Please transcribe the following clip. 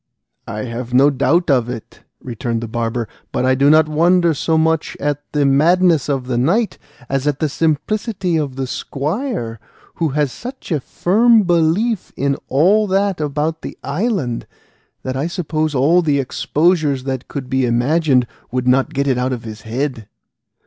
"I have no doubt of it," returned the barber; "but I do not wonder so much at the madness of the knight as at the simplicity of the squire, who has such a firm belief in all that about the island, that I suppose all the exposures that could be imagined would not get it out of his head."